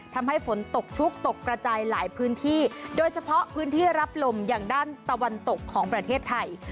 ทำให้ฝนตกชุกตกกระจายหลายพื้นที่โดยเฉพาะพื้นที่รับลมอย่างด้านตะวันตกของประเทศไทย